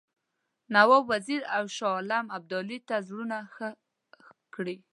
نواب وزیر او شاه عالم ابدالي ته زړونه ښه کړي.